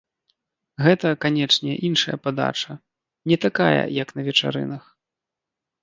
Гэта, канечне, іншая падача, не такая, як на вечарынах.